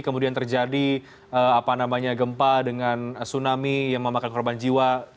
kemudian terjadi gempa dengan tsunami yang memakan korban jiwa